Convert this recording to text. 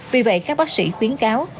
vì vậy các bác sĩ khuyến cáo